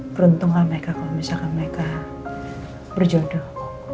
peruntungan mereka kalo misalkan mereka berjodoh